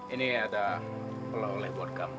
ini ada pelawang leh buat kamu